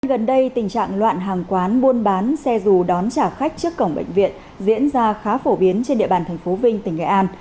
gần đây tình trạng loạn hàng quán buôn bán xe dù đón trả khách trước cổng bệnh viện diễn ra khá phổ biến trên địa bàn tp vinh tỉnh nghệ an